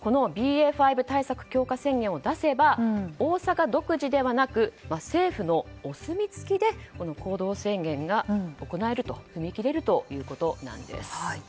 ．５対策強化宣言を出せば大阪独自ではなく政府のお墨付きで行動制限が行える踏み切れるということなんです。